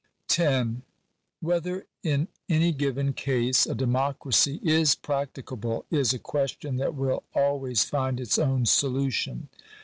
§ 10. Whether in any given case a democracy is practicable, is a question that will always find its own solution.